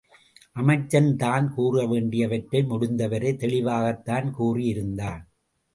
அமைச்சன் தான் கூறவேண்டியவற்றை முடிந்தவரை தெளிவாகத்தான் கூறியிருந்தான்.